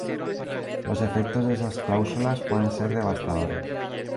Los efectos de esas cláusulas pueden ser devastadores.